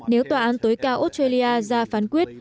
nếu tòa án tối cao australia ra phán quyết